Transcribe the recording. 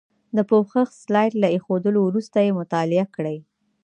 د پوښښ سلایډ له ایښودلو وروسته یې مطالعه کړئ.